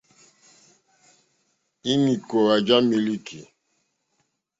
Ínì kòòwà já mílíkì.